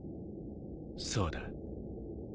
そうだ